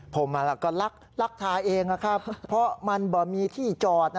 ผมลักทาเองเพราะมันมีที่จอด